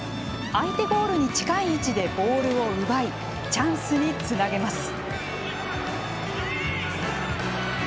相手ゴールに近い位置でボールを奪いチャンスにつなげます。